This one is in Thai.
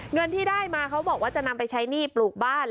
เงินที่ได้มาเขาบอกว่าจะนำไปใช้หนี้ปลูกบ้าน